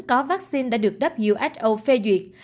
có vaccine đã được who phê duyệt